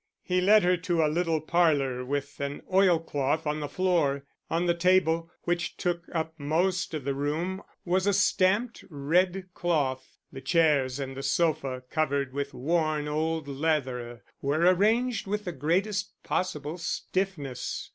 He led her to a little parlour with an oil cloth on the floor. On the table, which took up most of the room, was a stamped, red cloth; the chairs and the sofa, covered with worn old leather, were arranged with the greatest possible stiffness.